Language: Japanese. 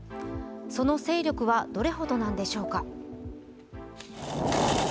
その勢力は、どれほどなのでしょうか。